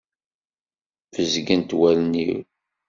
Bezgent wallen-iw.